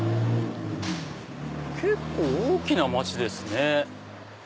結構大きな街ですね。